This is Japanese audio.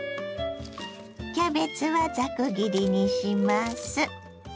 キャベツはざく切りにします。